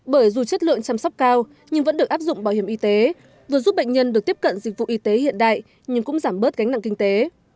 bởi dù chất lượng chăm sóc cao nhưng vẫn được áp dụng bảo hiểm y tế vừa giúp bệnh nhân được tiếp cận dịch vụ y tế hiện đại nhưng cũng giảm bớt gánh nặng kinh tế